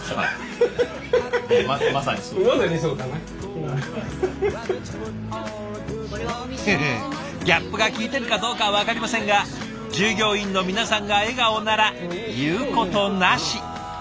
フフギャップが効いているかどうかは分かりませんが従業員の皆さんが笑顔なら言うことなし。